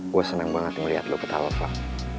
gue seneng banget ngeliat lu ketawa fah